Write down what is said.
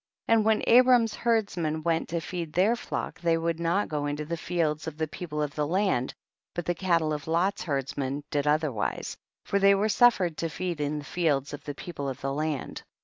37. And when Abraiu's herdsmen went to feed tlieir flock they would not go into the fields of the people of the land, but the cattle of Lot's herdsmen did otherwise, for they were suffered to feed in the fields of the people of the land.